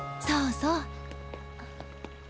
そうそう。